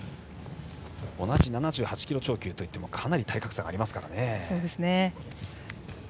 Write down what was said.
同じ７８キロ超級といってもかなり体格差があります。